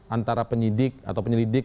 antara penyidik atau penyelidik